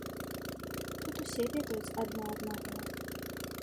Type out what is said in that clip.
Тут усе ведаюць адно аднаго.